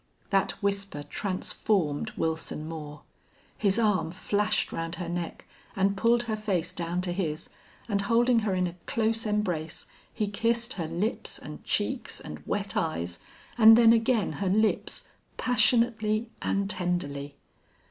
That whisper transformed Wilson Moore. His arm flashed round her neck and pulled her face down to his, and, holding her in a close embrace, he kissed her lips and cheeks and wet eyes, and then again her lips, passionately and tenderly.